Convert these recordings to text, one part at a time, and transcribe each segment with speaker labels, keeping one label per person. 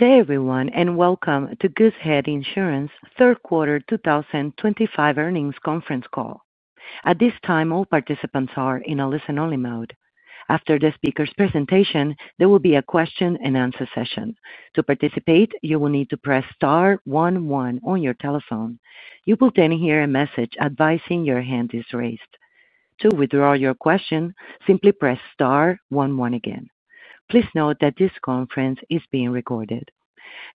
Speaker 1: Today, everyone, and welcome to Goosehead Insurance's third quarter 2025 earnings conference call. At this time, all participants are in a listen-only mode. After the speaker's presentation, there will be a question and answer session. To participate, you will need to press star one one on your telephone. You will then hear a message advising your hand is raised. To withdraw your question, simply press star one one again. Please note that this conference is being recorded.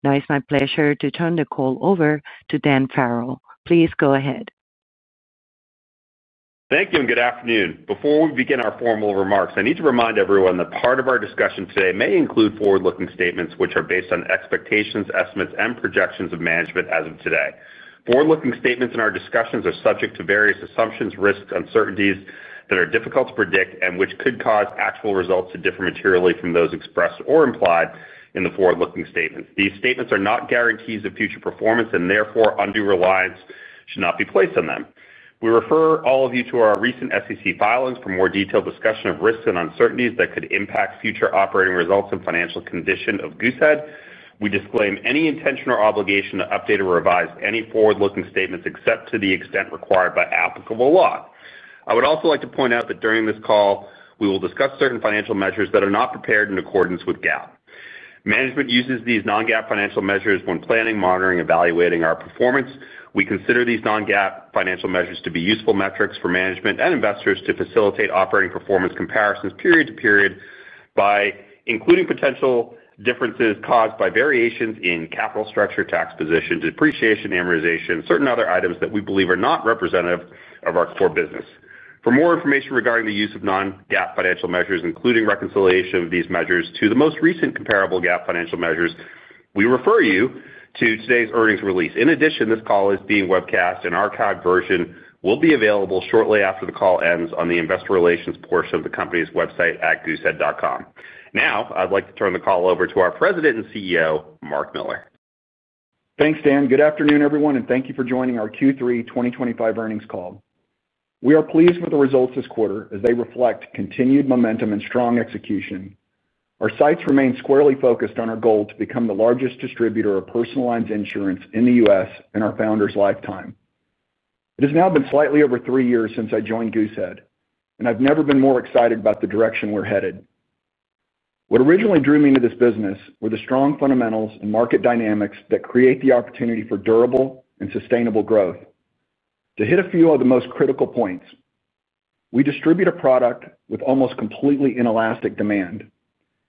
Speaker 1: Now, it's my pleasure to turn the call over to Dan Farrell. Please go ahead.
Speaker 2: Thank you and good afternoon. Before we begin our formal remarks, I need to remind everyone that part of our discussion today may include forward-looking statements, which are based on expectations, estimates, and projections of management as of today. Forward-looking statements in our discussions are subject to various assumptions, risks, and uncertainties that are difficult to predict and which could cause actual results to differ materially from those expressed or implied in the forward-looking statements. These statements are not guarantees of future performance and therefore undue reliance should not be placed on them. We refer all of you to our recent SEC filings for more detailed discussion of risks and uncertainties that could impact future operating results and financial condition of Goosehead. We disclaim any intention or obligation to update or revise any forward-looking statements except to the extent required by applicable law. I would also like to point out that during this call, we will discuss certain financial measures that are not prepared in accordance with GAAP. Management uses these non-GAAP financial measures when planning, monitoring, and evaluating our performance. We consider these non-GAAP financial measures to be useful metrics for management and investors to facilitate operating performance comparisons period to period by including potential differences caused by variations in capital structure, tax position, depreciation, amortization, and certain other items that we believe are not representative of our core business. For more information regarding the use of non-GAAP financial measures, including reconciliation of these measures to the most recent comparable GAAP financial measures, we refer you to today's earnings release. In addition, this call is being webcast. An archived version will be available shortly after the call ends on the investor relations portion of the company's website at goosehead.com. Now, I'd like to turn the call over to our President and CEO, Mark Miller.
Speaker 3: Thanks, Dan. Good afternoon, everyone, and thank you for joining our Q3 2025 earnings call. We are pleased with the results this quarter as they reflect continued momentum and strong execution. Our sights remain squarely focused on our goal to become the largest distributor of personal lines insurance in the U.S. in our founder's lifetime. It has now been slightly over three years since I joined Goosehead, and I've never been more excited about the direction we're headed. What originally drew me to this business were the strong fundamentals and market dynamics that create the opportunity for durable and sustainable growth. To hit a few of the most critical points, we distribute a product with almost completely inelastic demand.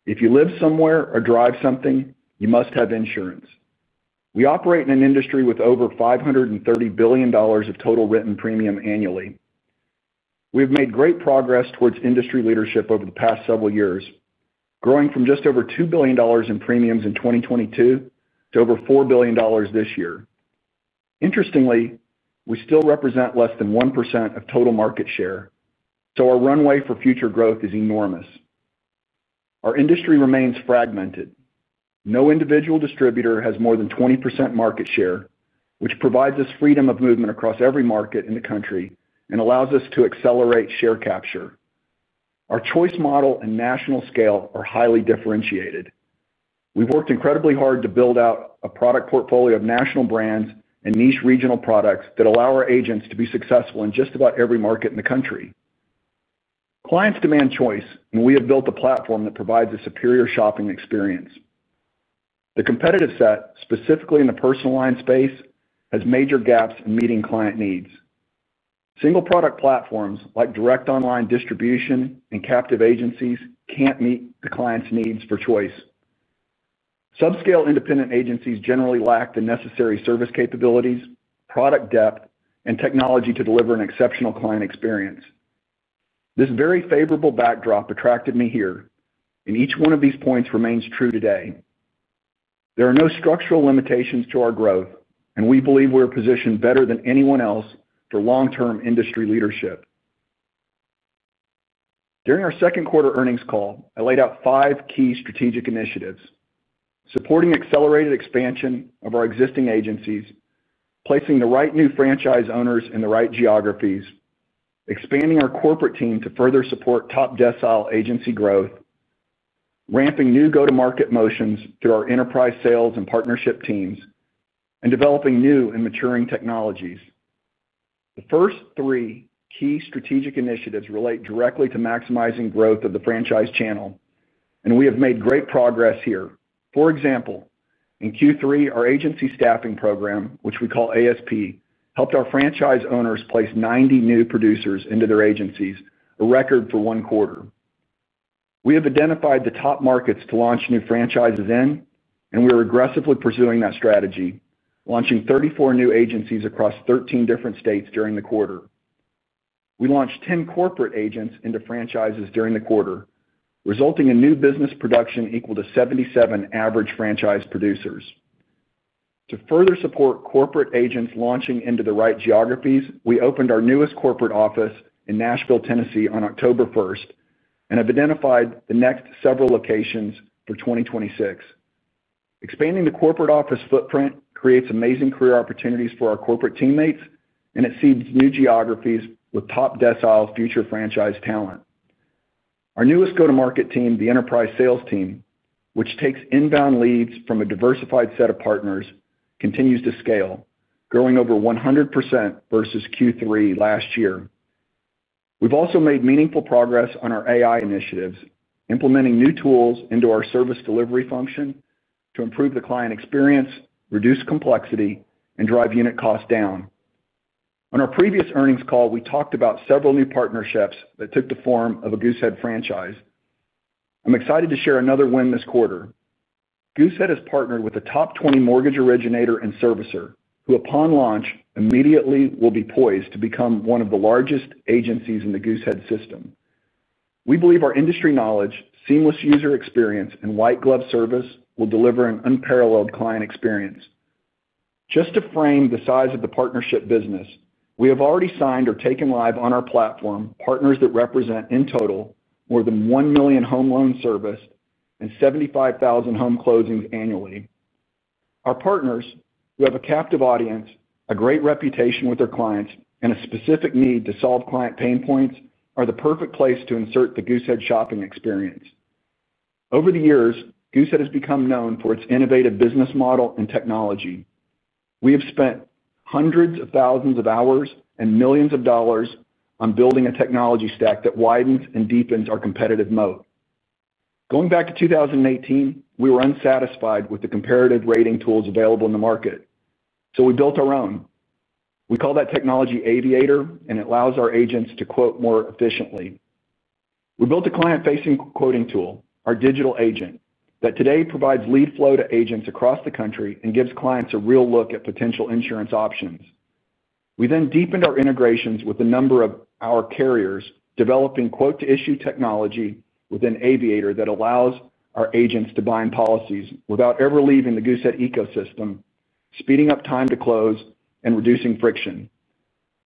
Speaker 3: If you live somewhere or drive something, you must have insurance. We operate in an industry with over $530 billion of Total Written Premium annually. We've made great progress towards industry leadership over the past several years, growing from just over $2 billion in premiums in 2022 to over $4 billion this year. Interestingly, we still represent less than 1% of total market share, so our runway for future growth is enormous. Our industry remains fragmented. No individual distributor has more than 20% market share, which provides us freedom of movement across every market in the country and allows us to accelerate share capture. Our choice model and national scale are highly differentiated. We've worked incredibly hard to build out a product portfolio of national brands and niche regional products that allow our agents to be successful in just about every market in the country. Clients demand choice, and we have built a platform that provides a superior shopping experience. The competitive set, specifically in the personal lines space, has major gaps in meeting client needs. Single product platforms like direct online distribution and captive agencies can't meet the client's needs for choice. Subscale independent agencies generally lack the necessary service capabilities, product depth, and technology to deliver an exceptional client experience. This very favorable backdrop attracted me here, and each one of these points remains true today. There are no structural limitations to our growth, and we believe we are positioned better than anyone else for long-term industry leadership. During our second quarter earnings call, I laid out five key strategic initiatives: supporting accelerated expansion of our existing agencies, placing the right new franchise owners in the right geographies, expanding our corporate team to further support top decile agency growth, ramping new go-to-market motions through our enterprise sales and partnership teams, and developing new and maturing technologies. The first three key strategic initiatives relate directly to maximizing growth of the franchise channel, and we have made great progress here. For example, in Q3, our agency staffing program, which we call ASP, helped our franchise owners place 90 new producers into their agencies, a record for one quarter. We have identified the top markets to launch new franchises in, and we are aggressively pursuing that strategy, launching 34 new agencies across 13 different states during the quarter. We launched 10 corporate agents into franchises during the quarter, resulting in new business production equal to 77 average franchise producers. To further support corporate agents launching into the right geographies, we opened our newest corporate office in Nashville, Tennessee, on October 1st and have identified the next several locations for 2026. Expanding the corporate office footprint creates amazing career opportunities for our corporate teammates, and it seeds new geographies with top decile future franchise talent. Our newest go-to-market team, the Enterprise Sales Team, which takes inbound leads from a diversified set of partners, continues to scale, growing over 100% versus Q3 last year. We have also made meaningful progress on our AI initiatives, implementing new tools into our service delivery function to improve the client experience, reduce complexity, and drive unit costs down. On our previous earnings call, we talked about several new partnerships that took the form of a Goosehead franchise. I am excited to share another win this quarter. Goosehead has partnered with the top 20 mortgage originator and servicer, who, upon launch, immediately will be poised to become one of the largest agencies in the Goosehead system. We believe our industry knowledge, seamless user experience, and white-glove service will deliver an unparalleled client experience. Just to frame the size of the partnership business, we have already signed or taken live on our platform partners that represent, in total, more than 1 million home loans serviced and 75,000 home closings annually. Our partners, who have a captive audience, a great reputation with their clients, and a specific need to solve client pain points, are the perfect place to insert the Goosehead shopping experience. Over the years, Goosehead has become known for its innovative business model and technology. We have spent hundreds of thousands of hours and millions of dollars on building a technology stack that widens and deepens our competitive moat. Going back to 2018, we were unsatisfied with the comparative rating tools available in the market, so we built our own. We call that technology Aviator, and it allows our agents to quote more efficiently. We built a client-facing quoting tool, our Digital Agent, that today provides lead flow to agents across the country and gives clients a real look at potential insurance options. We then deepened our integrations with a number of our carriers, developing Quote to Issue technology within Aviator that allows our agents to bind policies without ever leaving the Goosehead ecosystem, speeding up time to close and reducing friction.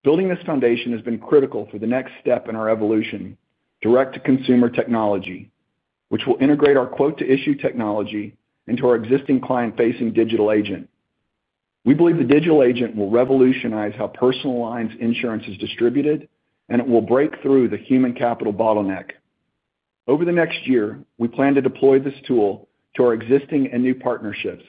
Speaker 3: Building this foundation has been critical for the next step in our evolution: direct-to-consumer technology, which will integrate our Quote to Issue technology into our existing client-facing Digital Agent. We believe the Digital Agent will revolutionize how personal lines insurance is distributed, and it will break through the human capital bottleneck. Over the next year, we plan to deploy this tool to our existing and new partnerships,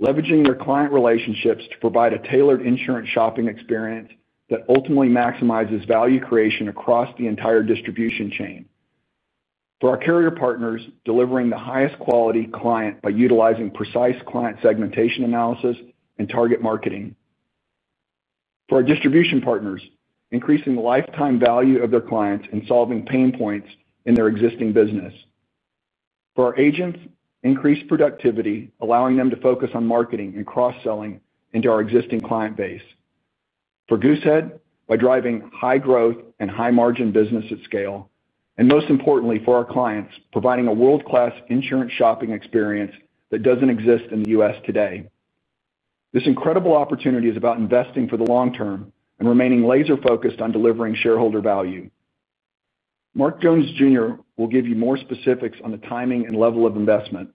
Speaker 3: leveraging their client relationships to provide a tailored insurance shopping experience that ultimately maximizes value creation across the entire distribution chain. For our carrier partners, delivering the highest quality client by utilizing precise client segmentation analysis and target marketing. For our distribution partners, increasing the lifetime value of their clients and solving pain points in their existing business. For our agents, increased productivity, allowing them to focus on marketing and cross-selling into our existing client base. For Goosehead, by driving high growth and high margin business at scale, and most importantly, for our clients, providing a world-class insurance shopping experience that doesn't exist in the U.S. today. This incredible opportunity is about investing for the long term and remaining laser-focused on delivering shareholder value. Mark Jones Jr. will give you more specifics on the timing and level of investment.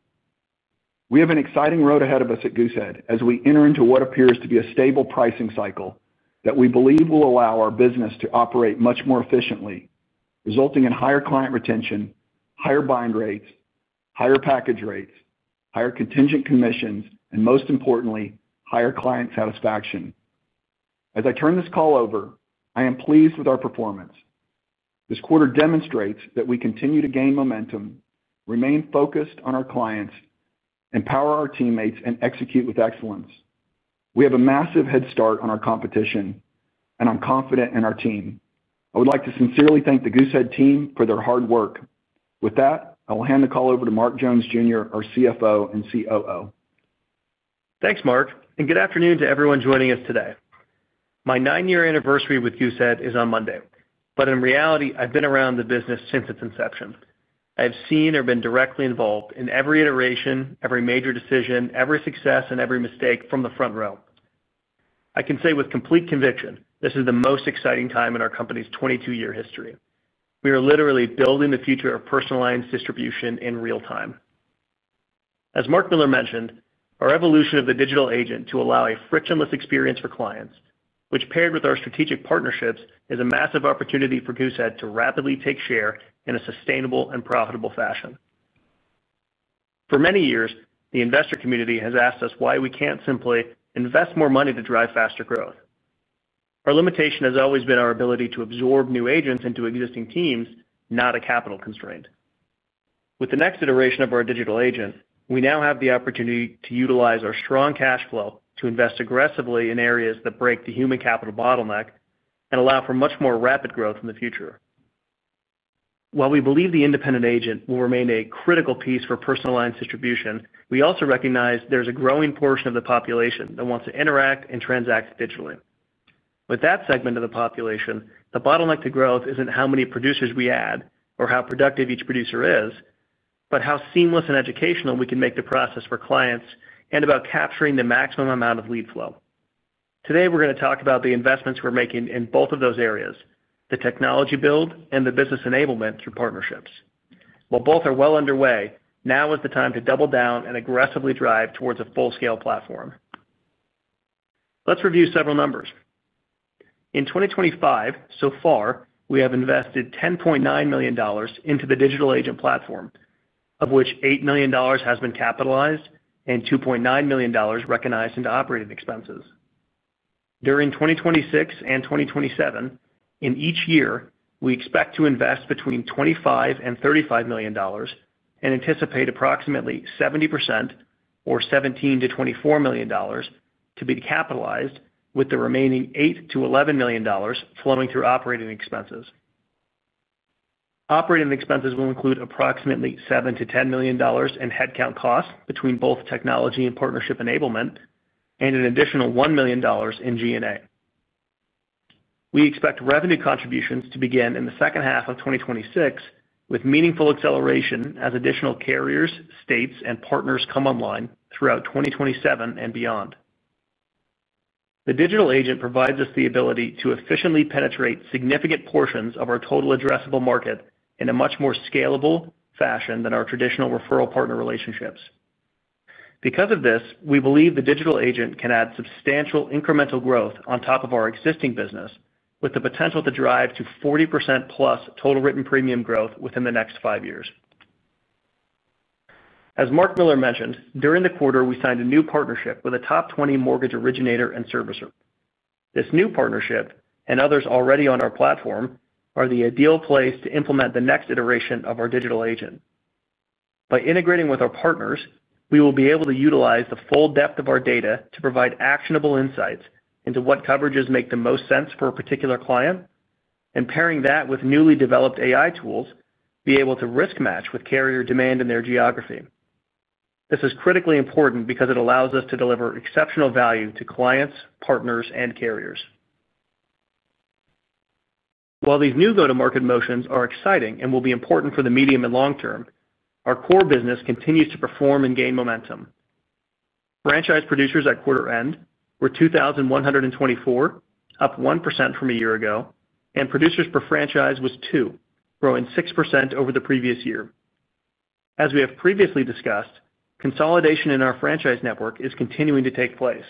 Speaker 3: We have an exciting road ahead of us at Goosehead as we enter into what appears to be a stable pricing cycle that we believe will allow our business to operate much more efficiently, resulting in higher client retention, higher bind rates, higher package rates, higher contingent commissions, and most importantly, higher client satisfaction. As I turn this call over, I am pleased with our performance. This quarter demonstrates that we continue to gain momentum, remain focused on our clients, empower our teammates, and execute with excellence. We have a massive head start on our competition, and I'm confident in our team. I would like to sincerely thank the Goosehead team for their hard work. With that, I will hand the call over to Mark Jones Jr., our CFO and COO.
Speaker 4: Thanks, Mark, and good afternoon to everyone joining us today. My nine-year anniversary with Goosehead is on Monday, but in reality, I've been around the business since its inception. I've seen or been directly involved in every iteration, every major decision, every success, and every mistake from the front row. I can say with complete conviction this is the most exciting time in our company's 22-year history. We are literally building the future of personalized distribution in real time. As Mark Miller mentioned, our evolution of the Digital Agent to allow a frictionless experience for clients, which paired with our strategic partnerships, is a massive opportunity for Goosehead to rapidly take share in a sustainable and profitable fashion. For many years, the investor community has asked us why we can't simply invest more money to drive faster growth. Our limitation has always been our ability to absorb new agents into existing teams, not a capital constraint. With the next iteration of our Digital Agent, we now have the opportunity to utilize our strong cash flow to invest aggressively in areas that break the human capital bottleneck and allow for much more rapid growth in the future. While we believe the independent agent will remain a critical piece for personalized distribution, we also recognize there's a growing portion of the population that wants to interact and transact digitally. With that segment of the population, the bottleneck to growth isn't how many producers we add or how productive each producer is, but how seamless and educational we can make the process for clients and about capturing the maximum amount of lead flow. Today, we're going to talk about the investments we're making in both of those areas: the technology build and the business enablement through partnerships. While both are well underway, now is the time to double down and aggressively drive towards a full-scale platform. Let's review several numbers. In 2025, so far, we have invested $10.9 million into the Digital Agent platform, of which $8 million has been capitalized and $2.9 million recognized into operating expenses. During 2026 and 2027, in each year, we expect to invest between $25 million and $35 million and anticipate approximately 70%, or $17 million-$24 million, to be capitalized with the remaining $8 million-$11 million flowing through operating expenses. Operating expenses will include approximately $7 million-$10 million in headcount costs between both technology and partnership enablement, and an additional $1 million in G&A. We expect revenue contributions to begin in the second half of 2026, with meaningful acceleration as additional carriers, states, and partners come online throughout 2027 and beyond. The Digital Agent provides us the ability to efficiently penetrate significant portions of our total addressable market in a much more scalable fashion than our traditional referral partner relationships. Because of this, we believe the Digital Agent can add substantial incremental growth on top of our existing business, with the potential to drive to 40%+ Total Written Premium growth within the next five years. As Mark Miller mentioned, during the quarter, we signed a new partnership with a top 20 mortgage originator and servicer. This new partnership and others already on our platform are the ideal place to implement the next iteration of our Digital Agent. By integrating with our partners, we will be able to utilize the full depth of our data to provide actionable insights into what coverages make the most sense for a particular client, and pairing that with newly developed AI tools, be able to risk match with carrier demand in their geography. This is critically important because it allows us to deliver exceptional value to clients, partners, and carriers. While these new go-to-market motions are exciting and will be important for the medium and long term, our core business continues to perform and gain momentum. Franchise producers at quarter end were 2,124, up 1% from a year ago, and producers per franchise was 2, growing 6% over the previous year. As we have previously discussed, consolidation in our franchise network is continuing to take place.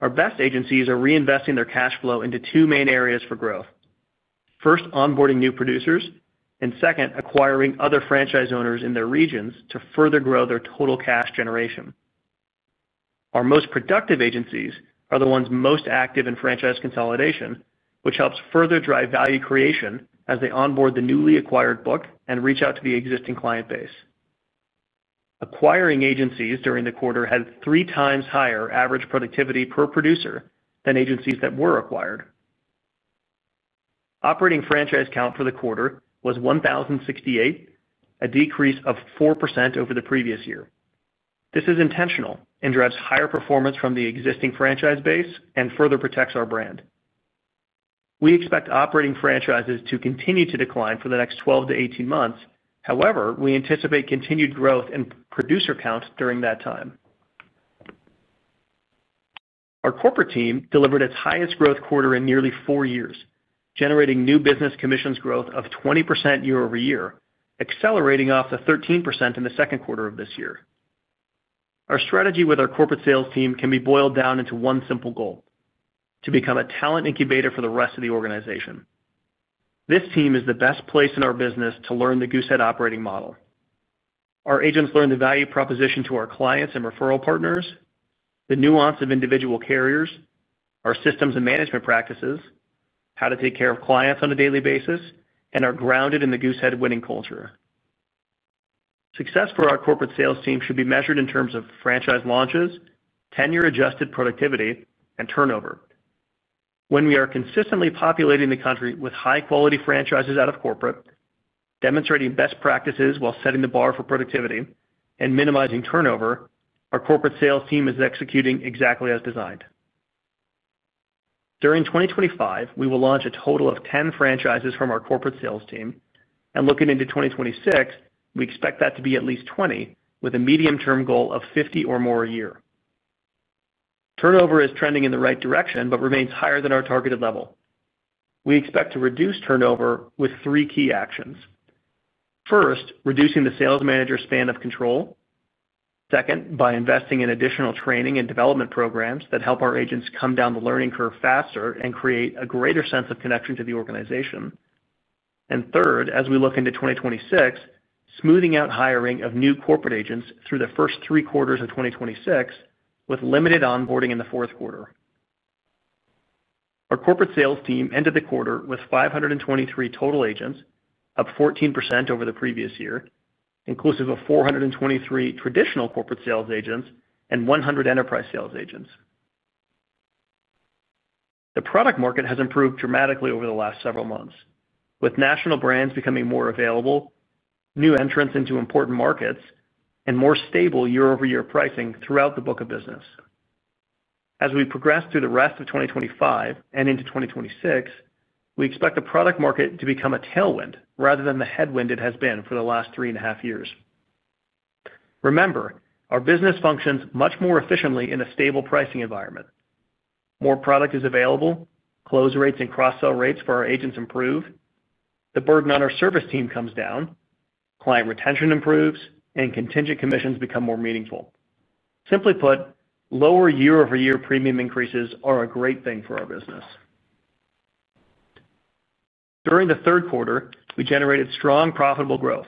Speaker 4: Our best agencies are reinvesting their cash flow into two main areas for growth: first, onboarding new producers, and second, acquiring other franchise owners in their regions to further grow their total cash generation. Our most productive agencies are the ones most active in franchise consolidation, which helps further drive value creation as they onboard the newly acquired book and reach out to the existing client base. Acquiring agencies during the quarter had 3x higher average productivity per producer than agencies that were acquired. Operating franchise count for the quarter was 1,068, a decrease of 4% over the previous year. This is intentional and drives higher performance from the existing franchise base and further protects our brand. We expect operating franchises to continue to decline for the next 12 months-18 months. However, we anticipate continued growth in producer count during that time. Our corporate team delivered its highest growth quarter in nearly four years, generating new business commissions growth of 20% year-over-year, accelerating off of 13% in the second quarter of this year. Our strategy with our corporate sales team can be boiled down into one simple goal: to become a talent incubator for the rest of the organization. This team is the best place in our business to learn the Goosehead operating model. Our agents learn the value proposition to our clients and referral partners, the nuance of individual carriers, our systems and management practices, how to take care of clients on a daily basis, and are grounded in the Goosehead winning culture. Success for our corporate sales team should be measured in terms of franchise launches, tenure-adjusted productivity, and turnover. When we are consistently populating the country with high-quality franchises out of corporate, demonstrating best practices while setting the bar for productivity and minimizing turnover, our corporate sales team is executing exactly as designed. During 2025, we will launch a total of 10 franchises from our corporate sales team, and looking into 2026, we expect that to be at least 20, with a medium-term goal of 50 or more a year. Turnover is trending in the right direction but remains higher than our targeted level. We expect to reduce turnover with three key actions. First, reducing the sales manager's span of control. Second, by investing in additional training and development programs that help our agents come down the learning curve faster and create a greater sense of connection to the organization. Third, as we look into 2026, smoothing out hiring of new corporate agents through the first three quarters of 2026, with limited onboarding in the fourth quarter. Our corporate sales team ended the quarter with 523 total agents, up 14% over the previous year, inclusive of 423 traditional corporate sales agents and 100 Enterprise Sales Agents. The product market has improved dramatically over the last several months, with national brands becoming more available, new entrants into important markets, and more stable year-over-year pricing throughout the book of business. As we progress through the rest of 2025 and into 2026, we expect the product market to become a tailwind rather than the headwind it has been for the last three and a half years. Remember, our business functions much more efficiently in a stable pricing environment. More product is available, close rates and cross-sell rates for our agents improve. The burden on our service team comes down, client retention improves, and contingent commissions become more meaningful. Simply put, lower year-over-year premium increases are a great thing for our business. During the third quarter, we generated strong profitable growth.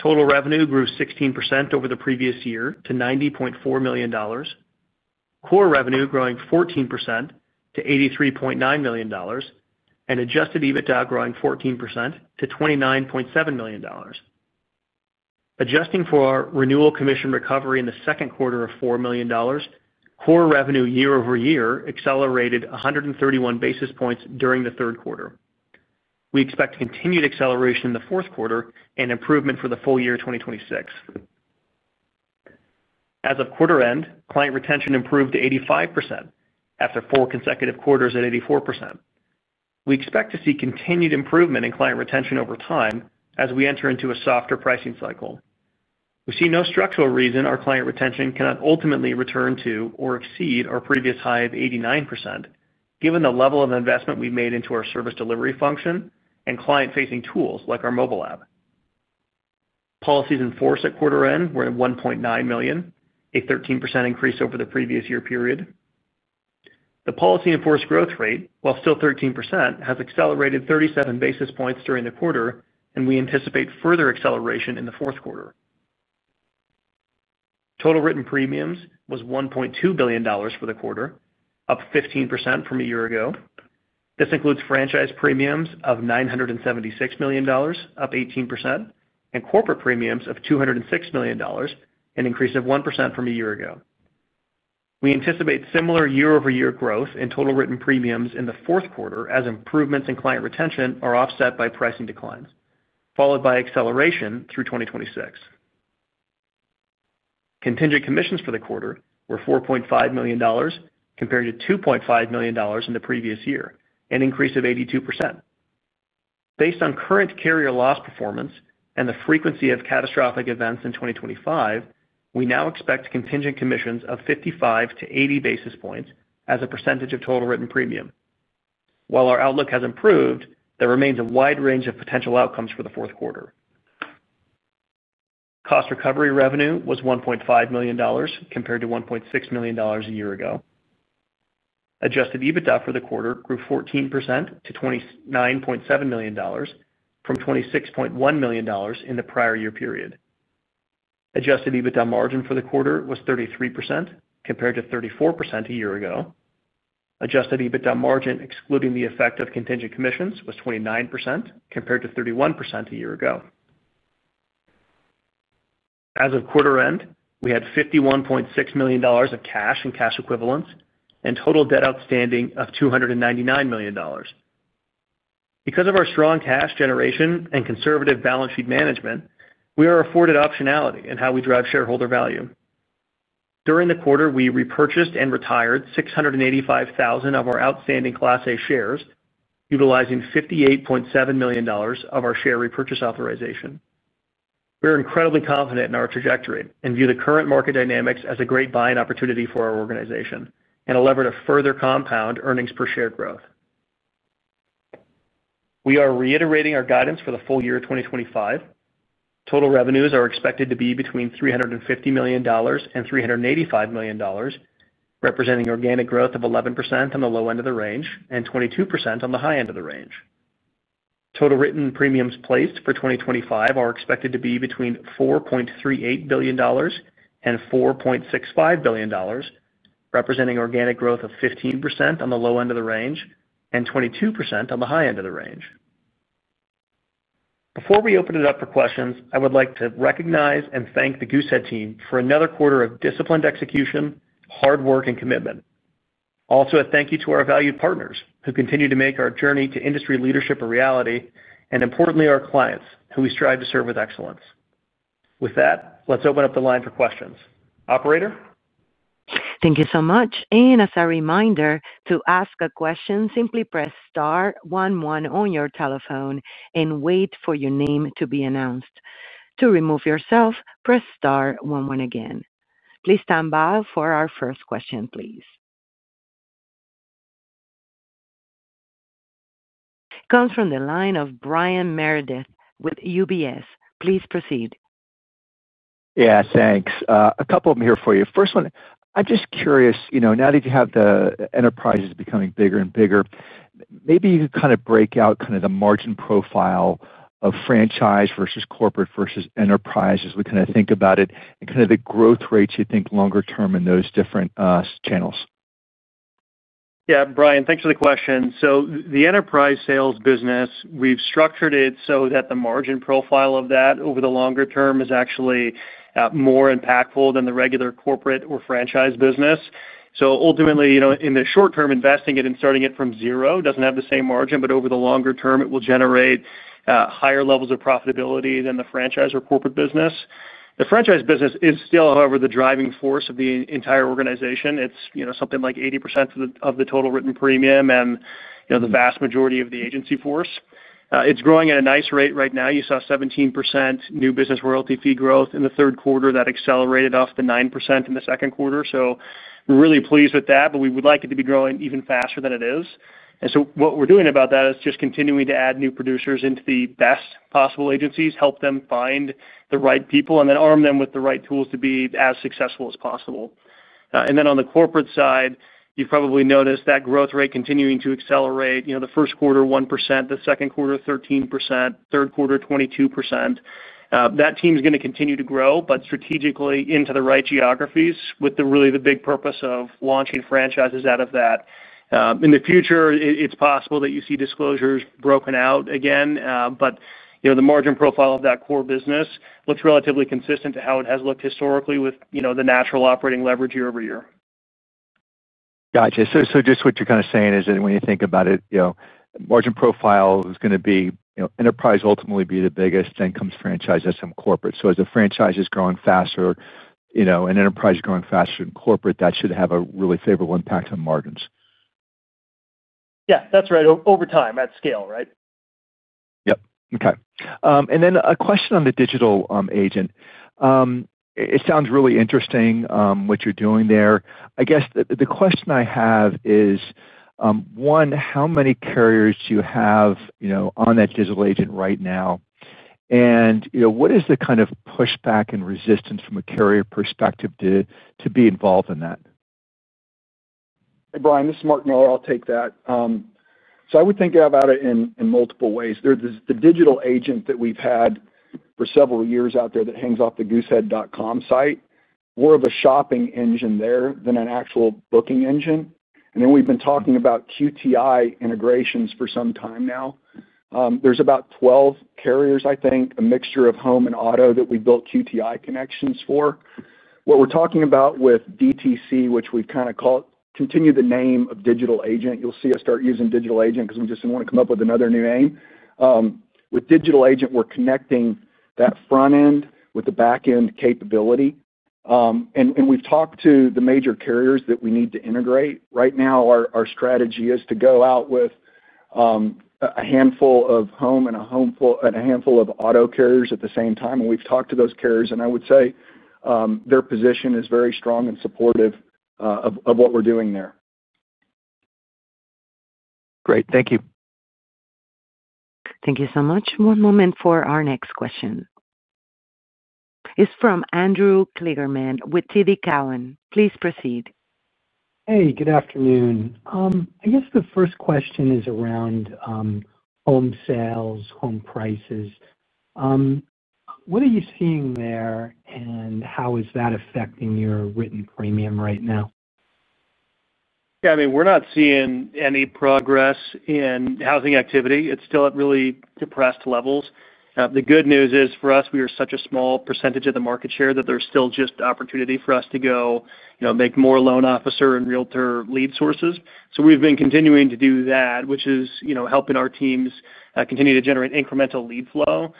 Speaker 4: Total revenue grew 16% over the previous year to $90.4 million, core revenue growing 14% to $83.9 million, and adjusted EBITDA growing 14% to $29.7 million. Adjusting for our renewal commission recovery in the second quarter of $4 million, core revenue year-over-year accelerated 131 basis points during the third quarter. We expect continued acceleration in the fourth quarter and improvement for the full year 2026. As of quarter end, client retention improved to 85% after four consecutive quarters at 84%. We expect to see continued improvement in client retention over time as we enter into a softer pricing cycle. We see no structural reason our client retention cannot ultimately return to or exceed our previous high of 89%, given the level of investment we've made into our service delivery function and client-facing tools like our mobile Policies in Force at quarter end were 1.9 million, a 13% increase over the previous year Policies in Force growth rate, while still 13%, has accelerated 37 basis points during the quarter, and we anticipate further acceleration in the fourth quarter. Total Written Premium was $1.2 billion for the quarter, up 15% from a year ago. This includes franchise premiums of $976 million, up 18%, and corporate premiums of $206 million, an increase of 1% from a year ago. We anticipate similar year-over-year growth in Total Written Premium in the fourth quarter as improvements in client retention are offset by pricing declines, followed by acceleration through 2026. Contingent commissions for the quarter were $4.5 million compared to $2.5 million in the previous year, an increase of 82%. Based on current carrier loss performance and the frequency of catastrophic events in 2025, we now expect contingent commissions of 55 basis points-80 basis points as a percentage of Total Written Premium. While our outlook has improved, there remains a wide range of potential outcomes for the fourth quarter. Cost recovery revenue was $1.5 million compared to $1.6 million a year ago. Adjusted EBITDA for the quarter grew 14% to $29.7 million from $26.1 million in the prior year period. Adjusted EBITDA margin for the quarter was 33% compared to 34% a year ago. Adjusted EBITDA margin, excluding the effect of contingent commissions, was 29% compared to 31% a year ago. As of quarter end, we had $51.6 million of cash and cash equivalents and total debt outstanding of $299 million. Because of our strong cash generation and conservative balance sheet management, we are afforded optionality in how we drive shareholder value. During the quarter, we repurchased and retired 685,000 of our outstanding Class A shares, utilizing $58.7 million of our share repurchase authorization. We are incredibly confident in our trajectory and view the current market dynamics as a great buying opportunity for our organization and a lever to further compound earnings per share growth. We are reiterating our guidance for the full year 2025. Total revenues are expected to be between $350 million and $385 million, representing organic growth of 11% on the low end of the range and 22% on the high end of the range. Total Written Premiums placed for 2025 are expected to be between $4.38 billion and $4.65 billion, representing organic growth of 15% on the low end of the range and 22% on the high end of the range. Before we open it up for questions, I would like to recognize and thank the Goosehead team for another quarter of disciplined execution, hard work, and commitment. Also, a thank you to our valued partners who continue to make our journey to industry leadership a reality and, importantly, our clients who we strive to serve with excellence. With that, let's open up the line for questions. Operator?
Speaker 1: Thank you so much. As a reminder, to ask a question, simply press star one one on your telephone and wait for your name to be announced. To remove yourself, press star one one again. Please stand by for our first question. Comes from the line of Brian Meredith with UBS. Please proceed.
Speaker 5: Yeah, thanks. A couple of them here for you. First one, I'm just curious, you know, now that you have the enterprise is becoming bigger and bigger, maybe you can kind of break out kind of the margin profile of franchise versus corporate versus enterprise as we kind of think about it and kind of the growth rates you think longer term in those different channels.
Speaker 4: Yeah, Brian, thanks for the question. The enterprise sales business, we've structured it so that the margin profile of that over the longer term is actually more impactful than the regular corporate or franchise business. Ultimately, in the short term, investing it and starting it from zero doesn't have the same margin, but over the longer term, it will generate higher levels of profitability than the franchise or corporate business. The franchise business is still, however, the driving force of the entire organization. It's something like 80% of the Total Written Premium and the vast majority of the agency force. It's growing at a nice rate right now. You saw 17% new business royalty fee growth in the third quarter that accelerated off 9% in the second quarter. We're really pleased with that, but we would like it to be growing even faster than it is. What we're doing about that is just continuing to add new producers into the best possible agencies, help them find the right people, and then arm them with the right tools to be as successful as possible. On the corporate side, you've probably noticed that growth rate continuing to accelerate. The first quarter, 1%; the second quarter, 13%; third quarter, 22%. That team is going to continue to grow, but strategically into the right geographies with the really big purpose of launching franchises out of that. In the future, it's possible that you see disclosures broken out again, but the margin profile of that core business looks relatively consistent to how it has looked historically with the natural operating leverage year-over-year.
Speaker 5: Gotcha. What you're kind of saying is that when you think about it, margin profile is going to be, you know, enterprise ultimately be the biggest, then comes franchises and corporate. As a franchise is growing faster, you know, and enterprise is growing faster than corporate, that should have a really favorable impact on margins.
Speaker 4: Yeah, that's right. Over time at scale, right?
Speaker 5: Okay. A question on the Digital Agent. It sounds really interesting what you're doing there. I guess the question I have is, one, how many carriers do you have on that Digital Agent right now? What is the kind of pushback and resistance from a carrier perspective to be involved in that?
Speaker 3: Hey, Brian, this is Mark Miller. I'll take that. I would think about it in multiple ways. There's the Digital Agent that we've had for several years out there that hangs off the goosehead.com site, more of a shopping engine there than an actual booking engine. We've been talking about QTI integrations for some time now. There's about 12 carriers, I think, a mixture of home and auto that we built QTI connections for. What we're talking about with DTC, which we kind of call it, continue the name of Digital Agent. You'll see us start using Digital Agent because we just didn't want to come up with another new name. With Digital Agent, we're connecting that front end with the back end capability. We've talked to the major carriers that we need to integrate. Right now, our strategy is to go out with a handful of home and a handful of auto carriers at the same time. We've talked to those carriers, and I would say their position is very strong and supportive of what we're doing there.
Speaker 5: Great, thank you.
Speaker 1: Thank you so much. One moment for our next question. It's from Andrew Kligerman with TD Cowen. Please proceed.
Speaker 6: Hey, good afternoon. I guess the first question is around home sales, home prices. What are you seeing there, and how is that affecting your written premium right now?
Speaker 4: Yeah, I mean, we're not seeing any progress in housing activity. It's still at really depressed levels. The good news is for us, we are such a small percentage of the market share that there's still just opportunity for us to go, you know, make more loan officer and realtor lead sources. We've been continuing to do that, which is helping our teams continue to generate incremental lead flow.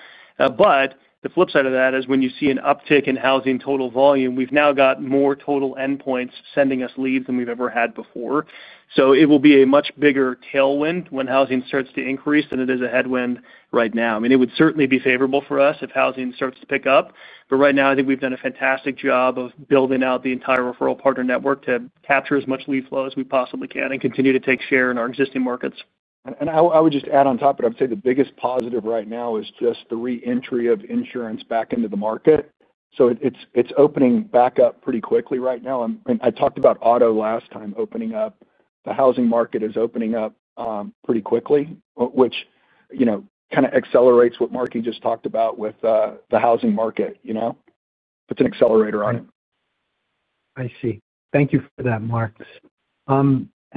Speaker 4: The flip side of that is when you see an uptick in housing total volume, we've now got more total endpoints sending us leads than we've ever had before. It will be a much bigger tailwind when housing starts to increase than it is a headwind right now. It would certainly be favorable for us if housing starts to pick up. Right now, I think we've done a fantastic job of building out the entire referral partner network to capture as much lead flow as we possibly can and continue to take share in our existing markets.
Speaker 3: I would just add on top of it, I would say the biggest positive right now is just the reentry of insurance back into the market. It's opening back up pretty quickly right now. I talked about auto last time opening up. The housing market is opening up pretty quickly, which kind of accelerates what Mark Jones just talked about with the housing market. It's an accelerator on it.
Speaker 6: I see. Thank you for that, Mark.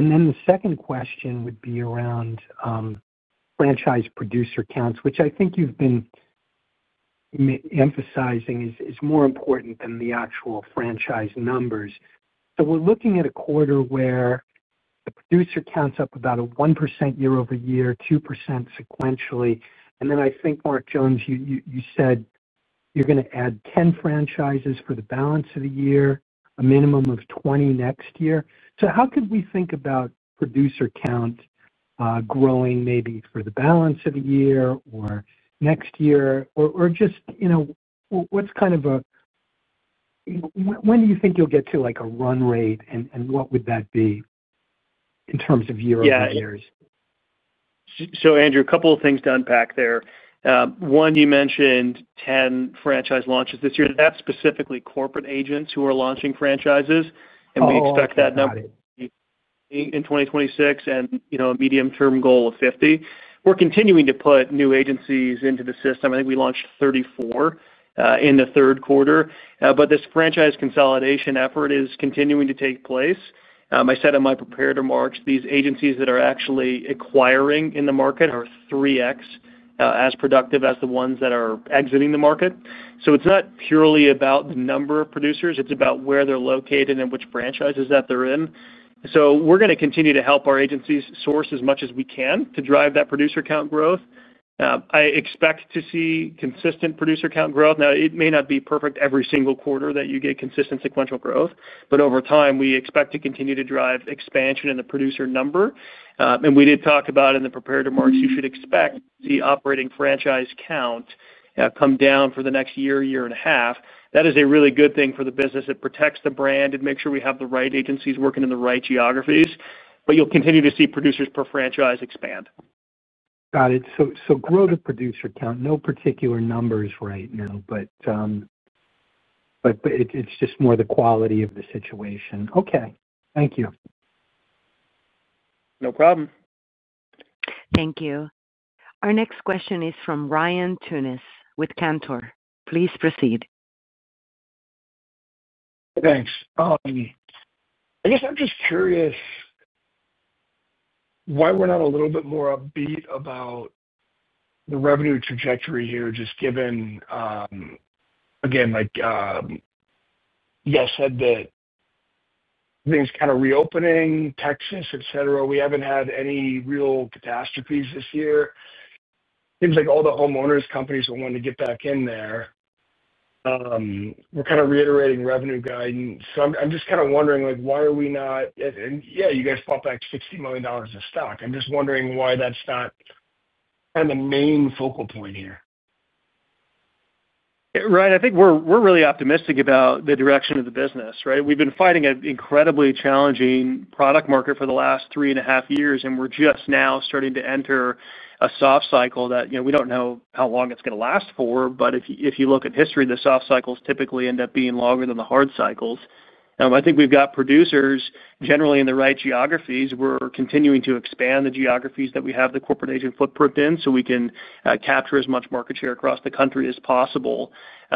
Speaker 6: The second question would be around franchise producer counts, which I think you've been emphasizing is more important than the actual franchise numbers. We're looking at a quarter where the producer count is up about 1% year-over-year, 2% sequentially. I think, Mark Jones, you said you're going to add 10 franchises for the balance of the year, a minimum of 20 next year. How could we think about producer count growing maybe for the balance of the year or next year? What's kind of a, you know, when do you think you'll get to like a run rate and what would that be in terms of year-over-years?
Speaker 4: Yeah. Andrew, a couple of things to unpack there. One, you mentioned 10 franchise launches this year. That's specifically corporate agents who are launching franchises. We expect that number to be in 2026 and, you know, a medium-term goal of 50. We're continuing to put new agencies into the system. I think we launched 34 in the third quarter. This franchise consolidation effort is continuing to take place. I said in my prepared remarks, these agencies that are actually acquiring in the market are 3x as productive as the ones that are exiting the market. It's not purely about the number of producers. It's about where they're located and which franchises they're in. We're going to continue to help our agencies source as much as we can to drive that producer count growth. I expect to see consistent producer count growth. It may not be perfect every single quarter that you get consistent sequential growth, but over time, we expect to continue to drive expansion in the producer number. We did talk about in the prepared remarks, you should expect the operating franchise count to come down for the next year, year and a half. That is a really good thing for the business. It protects the brand. It makes sure we have the right agencies working in the right geographies. You'll continue to see producers per franchise expand.
Speaker 6: Got it. Grow the producer count. No particular numbers right now, but it's just more the quality of the situation. Okay. Thank you.
Speaker 4: No problem.
Speaker 1: Thank you. Our next question is from Ryan Tunis with Cantor. Please proceed.
Speaker 7: Thanks. I guess I'm just curious why we're not a little bit more upbeat about the revenue trajectory here, just given, again, like you said that things kind of reopening Texas, etc. We haven't had any real catastrophes this year. It seems like all the homeowners' companies are wanting to get back in there. We're kind of reiterating revenue guidance. I'm just kind of wondering, like, why are we not, and yeah, you guys bought back $60 million of stock. I'm just wondering why that's not kind of the main focal point here.
Speaker 4: Ryan, I think we're really optimistic about the direction of the business, right? We've been fighting an incredibly challenging product market for the last three and a half years, and we're just now starting to enter a soft cycle that, you know, we don't know how long it's going to last for. If you look at history, the soft cycles typically end up being longer than the hard cycles. I think we've got producers generally in the right geographies. We're continuing to expand the geographies that we have the corporate agent footprint in so we can capture as much market share across the country as possible.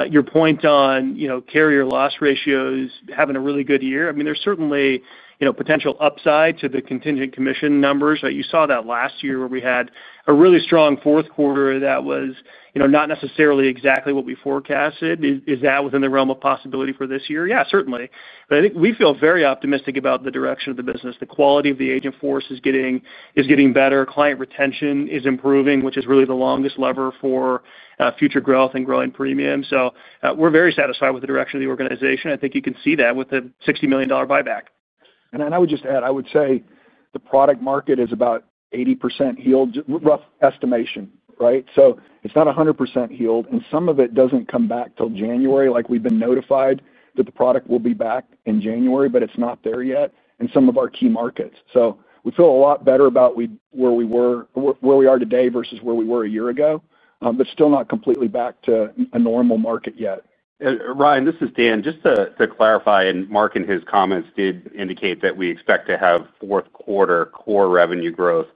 Speaker 4: Your point on, you know, carrier loss ratios having a really good year, I mean, there's certainly, you know, potential upside to the contingent commission numbers. You saw that last year where we had a really strong fourth quarter that was, you know, not necessarily exactly what we forecasted. Is that within the realm of possibility for this year? Yeah, certainly. I think we feel very optimistic about the direction of the business. The quality of the agent force is getting better. Client retention is improving, which is really the longest lever for future growth and growing premium. We're very satisfied with the direction of the organization. I think you can see that with a $60 million buyback.
Speaker 3: I would just add, I would say the product market is about 80% healed, rough estimation, right? It's not 100% healed, and some of it doesn't come back till January. We've been notified that the product will be back in January, but it's not there yet in some of our key markets. We feel a lot better about where we were today versus where we were a year ago, but still not completely back to a normal market yet.
Speaker 2: Ryan, this is Dan. Just to clarify, Mark in his comments did indicate that we expect to have fourth quarter core revenue growth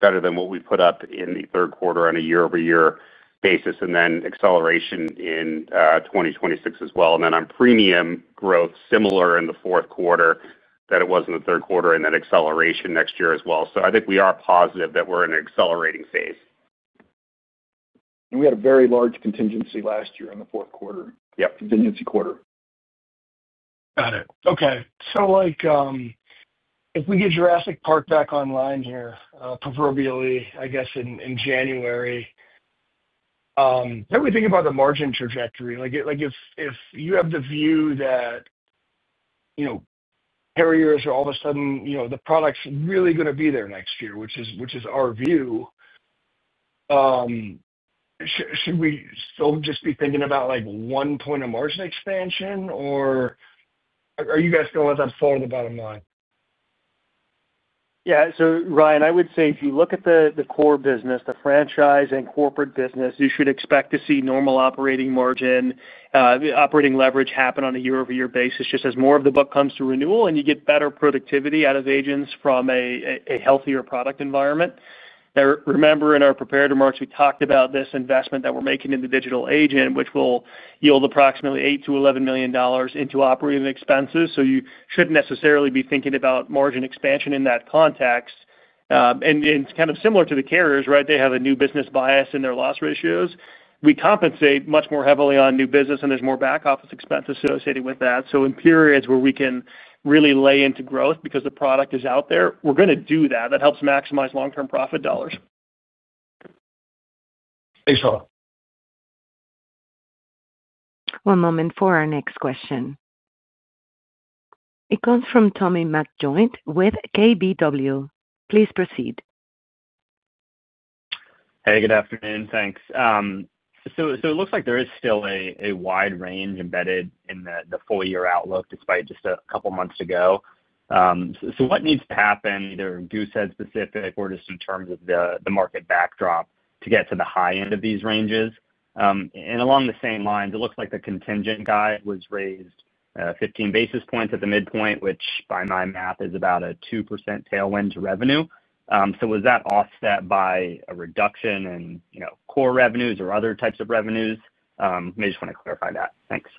Speaker 2: better than what we put up in the third quarter on a year-over-year basis, then acceleration in 2026 as well. On premium growth, similar in the fourth quarter that it was in the third quarter, then acceleration next year as well. I think we are positive that we're in an accelerating phase.
Speaker 3: We had a very large contingency last year in the fourth quarter.
Speaker 2: Yeah.
Speaker 3: Contingency quarter.
Speaker 7: Got it. Okay. If we get Jurassic Park back online here, proverbially, I guess in January, how do we think about the margin trajectory? If you have the view that, you know, carriers are all of a sudden, you know, the product's really going to be there next year, which is our view, should we still just be thinking about like one point of margin expansion, or are you guys going with that far to the bottom line?
Speaker 4: Yeah. Ryan, I would say if you look at the core business, the franchise and corporate business, you should expect to see normal operating margin, operating leverage happen on a year-over-year basis just as more of the buck comes to renewal, and you get better productivity out of agents from a healthier product environment. Remember in our prepared remarks, we talked about this investment that we're making in the Digital Agent, which will yield approximately $8 million-$11 million into operating expenses. You shouldn't necessarily be thinking about margin expansion in that context. It's kind of similar to the carriers, right? They have a new business bias in their loss ratios. We compensate much more heavily on new business, and there's more back-office expenses associated with that. In periods where we can really lay into growth because the product is out there, we're going to do that. That helps maximize long-term profit dollars.
Speaker 7: Thanks, all.
Speaker 1: One moment for our next question. It comes from Tommy McJoynt with KBW. Please proceed.
Speaker 8: Hey, good afternoon. Thanks. It looks like there is still a wide range embedded in the full-year outlook despite just a couple of months to go. What needs to happen, either Goosehead specific or just in terms of the market backdrop, to get to the high end of these ranges? Along the same lines, it looks like the contingent guide was raised 15 basis points at the midpoint, which by my math is about a 2% tailwind to revenue. Was that offset by a reduction in core revenues or other types of revenues? Maybe I just want to clarify that. Thanks.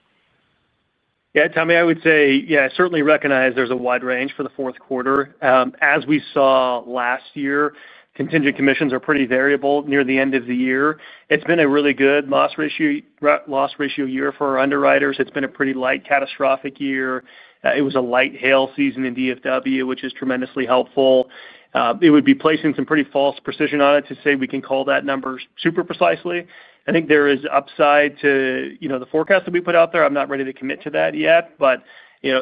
Speaker 4: Yeah, Tommy, I would say I certainly recognize there's a wide range for the fourth quarter. As we saw last year, contingent commissions are pretty variable near the end of the year. It's been a really good loss ratio year for our underwriters. It's been a pretty light catastrophic year. It was a light hail season in DFW, which is tremendously helpful. It would be placing some pretty false precision on it to say we can call that number super precisely. I think there is upside to the forecast that we put out there. I'm not ready to commit to that yet, but